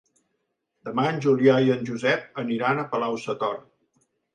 Demà en Julià i en Josep aniran a Palau-sator.